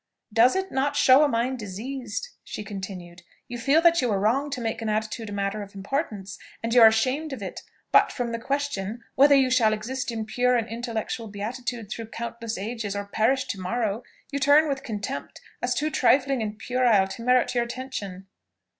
"Does it not show a mind diseased?" she continued. "You feel that you were wrong to make an attitude a matter of importance, and you are ashamed of it: but from the question, whether you shall exist in pure and intellectual beatitude through countless ages, or perish to morrow, you turn with contempt, as too trifling and puerile to merit your attention."